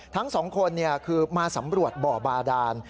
ทั้งสองคนคือมาสำรวจบ่อบาดาน